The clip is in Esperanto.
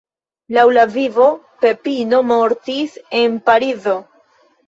Laŭ la "Vivo", Pepino mortis en Parizo.